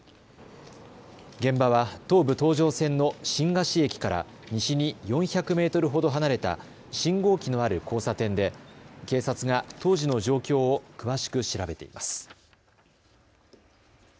現場は東武東上線の新河岸駅から西に４００メートルほど離れた信号機のある交差点で警察が当時の状況を詳しく調べています。